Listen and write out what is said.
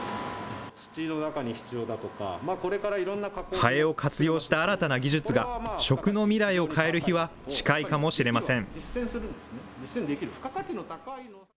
ハエを活用した新たな技術が、食の未来を変える日は近いかもしれません。